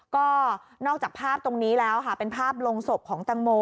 ก็นอกจากภาพตรงนี้แล้วค่ะเป็นภาพลงศพของตังโม